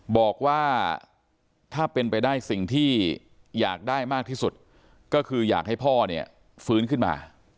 บอกว่าถ้าเป็นไปได้สิ่งที่อยากได้มากที่สุดก็คืออยากให้พ่อเนี่ยฟื้นขึ้นมา